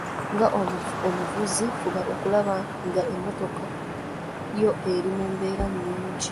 Ng'omuvuzi fuba okulaba ng'emmotoka yo eri mu mbeera nnungi.